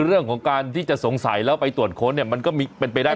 เรื่องของการที่จะสงสัยแล้วไปตรวจค้นเนี่ยมันก็เป็นไปได้